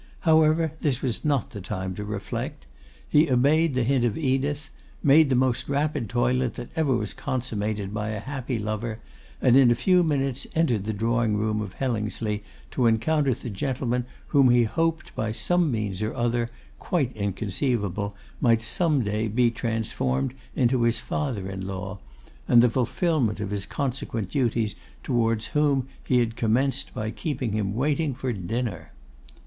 However, this was not the time to reflect. He obeyed the hint of Edith; made the most rapid toilet that ever was consummated by a happy lover, and in a few minutes entered the drawing room of Hellingsley, to encounter the gentleman whom he hoped by some means or other, quite inconceivable, might some day be transformed into his father in law, and the fulfilment of his consequent duties towards whom he had commenced by keeping him waiting for dinner.